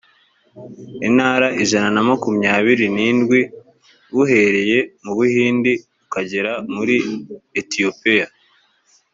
intara ijana na makumyabiri n indwi b uhereye mu buhindi ukagera muri etiyopiya